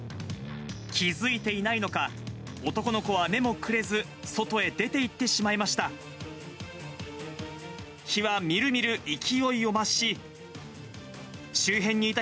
気付いていないのか、男の子は目もくれず、外へ出ていってしまいました。